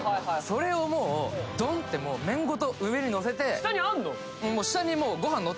それをもうドンって麺ごと上にのせて下にあんの？